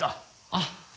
あっ。